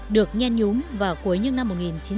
được nhen nhúng vào cuối những năm một nghìn chín trăm tám mươi